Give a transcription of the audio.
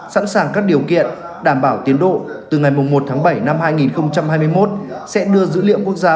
sẵn sàng các điều kiện đảm bảo tiến độ từ ngày một tháng bảy năm hai nghìn hai mươi một sẽ đưa dữ liệu quốc gia